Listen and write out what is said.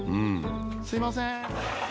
すいません